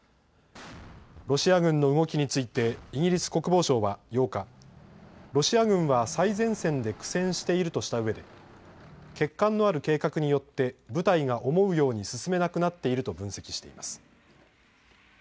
ロシア軍の動きについてイギリス国防省は８日、ロシア軍は最前線で苦戦しているとしたうえで欠陥のある計画によって部隊が思うように進めなくなっていると分析しています。